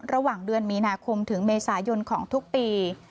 ระหว่างเดือนมีนาคมถึงเมษายนของทุกปี